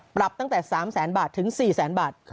ปรับตั้งแต่๓๐๐๐๐๐บาทถึง๔๐๐๐๐๐บาท